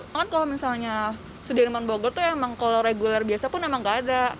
kan kalau misalnya sudirman bogor tuh emang kalau reguler biasa pun emang gak ada